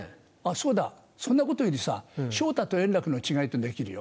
そうだそんなことよりさぁ「昇太と円楽の違い」っていうのできるよ。